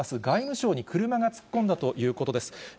外務省に車が突っ込んだということです。